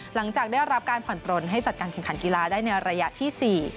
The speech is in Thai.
หลังจากได้รับการผ่อนปลนให้จัดการแข่งขันกีฬาได้ในระยะที่๔